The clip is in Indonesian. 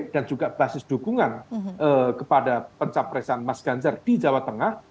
dan juga basis dukungan kepada pencapaian mas ganjar di jawa tengah